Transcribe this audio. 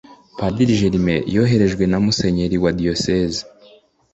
Padiri Jerme yoherejwe na Musenyeri wa Diyosezi